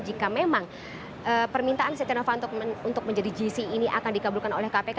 jika memang permintaan setia novanto untuk menjadi gc ini akan dikabulkan oleh kpk